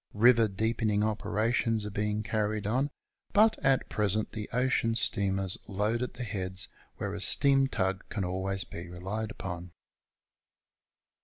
River deepeniug operations are being carried on, but at present the ocean steamers load at the heads, where a steam tug can always be relied upon.